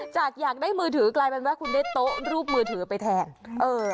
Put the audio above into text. อยากได้มือถือกลายเป็นว่าคุณได้โต๊ะรูปมือถือไปแทนเออ